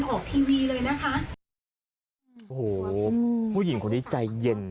โอ้โหผู้หญิงคนนี้ใจเย็น